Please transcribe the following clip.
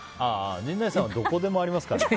陣内さんはどこでもありますからね。